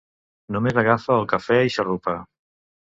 Només agafa el cafè i xarrupa.